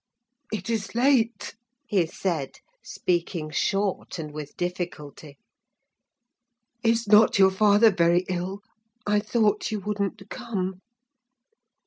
"It is late!" he said, speaking short and with difficulty. "Is not your father very ill? I thought you wouldn't come."